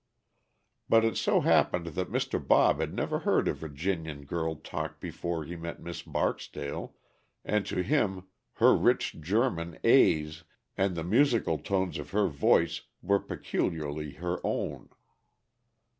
But it so happened that Mr. Bob had never heard a Virginian girl talk before he met Miss Barksdale, and to him her rich German a's and the musical tones of her voice were peculiarly her own.